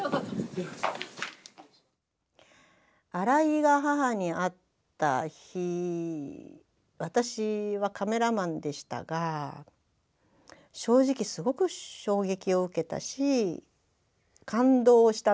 荒井が母に会った日私はカメラマンでしたが正直すごく衝撃を受けたし感動したんですよね。